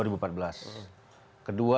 ketiga suara berasakan pemerintahan